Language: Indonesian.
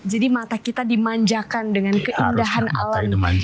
jadi mata kita dimanjakan dengan keindahan alam